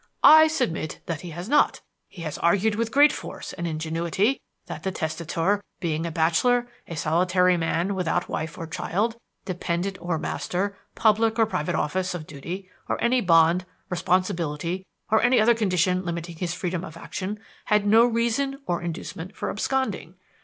I submit that he has not. He has argued with great force and ingenuity that the testator, being a bachelor, a solitary man without wife or child, dependant or master, public or private office of duty, or any bond, responsibility, or any other condition limiting his freedom of action, had no reason or inducement for absconding.